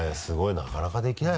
なかなかできないよ